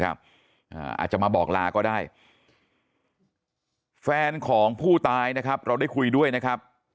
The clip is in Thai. อาจจะมาบอกลาก็ได้แฟนของผู้ตายนะครับเราได้คุยด้วยนะครับ